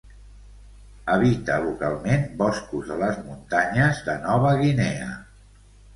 Habita localment boscos de les muntanyes de Nova Guinea.